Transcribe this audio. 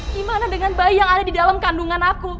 gimana dengan bayi yang ada di dalam kandungan aku